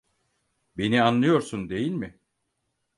Beni anlıyorsun değil mi?